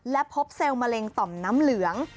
และพบเซลล์มะเร็งต่อมน้ำเหลือง